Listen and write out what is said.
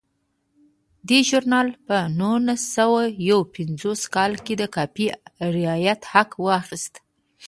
دې ژورنال په نولس سوه یو پنځوس کال کې د کاپي رایټ حق واخیست.